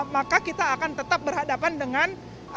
maka kita akan tetap berhadapan dengan